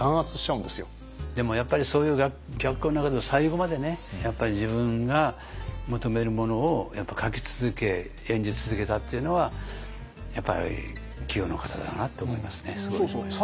でもやっぱりそういう逆境の中で最後までね自分が求めるものを書き続け演じ続けたっていうのはやっぱり器用な方だなと思いますね。